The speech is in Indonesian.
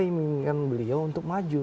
yang meminta beliau untuk maju